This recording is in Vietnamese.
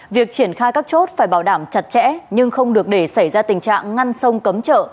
việc triển khai các chốt phải bảo đảm chặt chẽ nhưng không được để xảy ra tình trạng ngăn sông cấm chợ